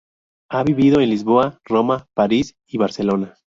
Ha vivido en Lisboa, Roma, París y Barcelona.